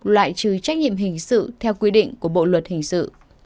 loại trừ trách nhiệm hình sự theo quy định của bộ luật hình sự